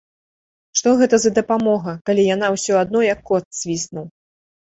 Што гэта за дапамога, калі яна ўсё адно як кот свіснуў.